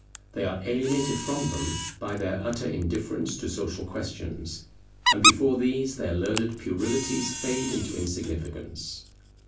They are alienated from them by their utter indifference to social questions; and before these their learned puerilities fade into insignificance.